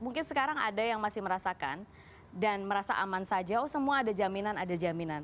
mungkin sekarang ada yang masih merasakan dan merasa aman saja oh semua ada jaminan ada jaminan